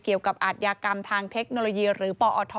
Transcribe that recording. อาทยากรรมทางเทคโนโลยีหรือปอท